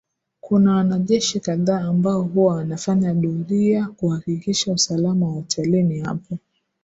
Kuna wanajeshi kadhaa ambao huwa wanafanya doria kuhakikisha usalama wa hotelini hapo